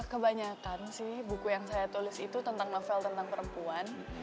kebanyakan sih buku yang saya tulis itu tentang novel tentang perempuan